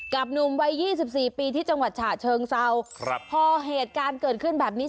กับหนุ่มวัย๒๔ปีที่จังหวัดฉะเชิงเซาพอเหตุการณ์เกิดขึ้นแบบนี้